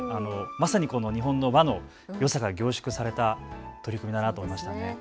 まさに日本の和のよさが凝縮された取り組みだなと思いました。